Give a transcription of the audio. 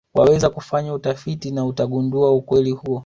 Waweza kufanya utafiti na utagundua ukweli huo